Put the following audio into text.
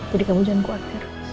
jadi kamu jangan khawatir